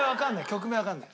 曲名わかんない。